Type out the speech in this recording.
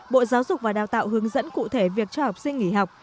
bộ giáo dục và đào tạo hướng dẫn cụ thể việc cho học sinh nghỉ học